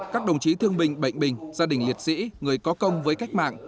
các đồng chí thương binh bệnh bình gia đình liệt sĩ người có công với cách mạng